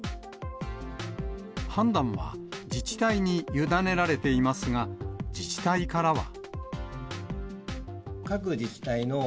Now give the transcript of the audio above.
判断は自治体に委ねられていますが、自治体からは。